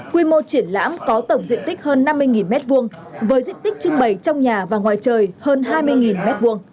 quy mô triển lãm có tổng diện tích hơn năm mươi m hai với diện tích trưng bày trong nhà và ngoài trời hơn hai mươi m hai